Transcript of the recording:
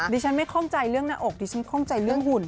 ดิฉันไม่คล่องใจเรื่องหน้าอกดิฉันข้องใจเรื่องหุ่น